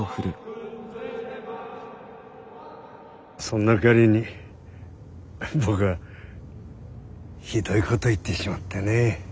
そんな彼に僕はひどいこと言ってしまってね。